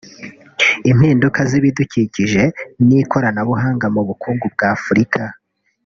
impinduka z’ibidukikije n’ikoranabuhanga mu bukungu bwa Afurika